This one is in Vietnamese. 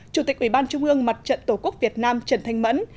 chủ tịch ủy ban trung ương mặt trận tổ quốc việt nam trần thanh mẫn